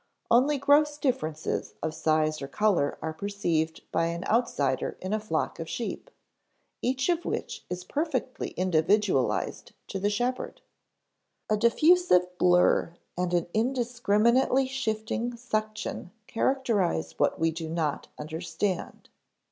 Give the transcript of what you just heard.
Only gross differences of size or color are perceived by an outsider in a flock of sheep, each of which is perfectly individualized to the shepherd. A diffusive blur and an indiscriminately shifting suction characterize what we do not understand.